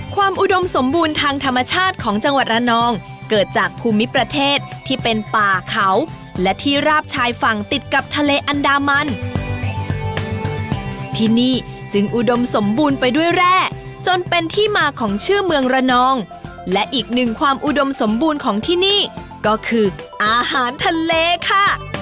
อุดมสมบูรณ์ทางธรรมชาติของจังหวัดระนองเกิดจากภูมิประเทศที่เป็นป่าเขาและที่ราบชายฝั่งติดกับทะเลอันดามันที่นี่จึงอุดมสมบูรณ์ไปด้วยแร่จนเป็นที่มาของชื่อเมืองระนองและอีกหนึ่งความอุดมสมบูรณ์ของที่นี่ก็คืออาหารทะเลค่ะ